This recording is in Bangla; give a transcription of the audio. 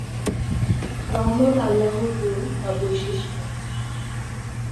রহমত আল্লাহর গুণ বা বৈশিষ্ট্য।